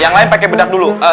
yang lain pakai bedak dulu